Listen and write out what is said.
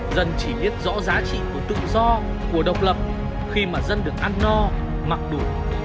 dân chỉ biết rõ giá trị của tự do của độc lập khi mà dân được ăn no mặc đủ